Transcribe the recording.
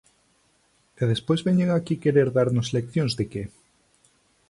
¿E despois veñen aquí querer darnos leccións de que?